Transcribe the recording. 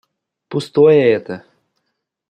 Пустое это!